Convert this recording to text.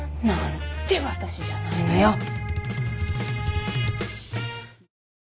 何で私じゃないのよ！